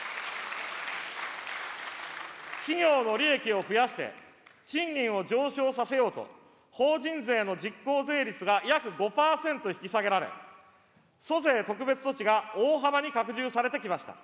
企業の利益を増やして、賃金を上昇させようと、法人税の実効税率が約５％引き下げられ、租税特別措置が大幅に拡充されてきました。